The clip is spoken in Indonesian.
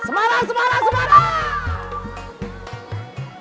semarang semarang semarang